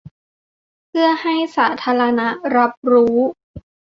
เพื่อให้สาธาณะรับรู้